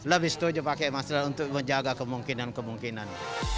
lebih setuju pakai masker untuk menjaga kemungkinan kemungkinan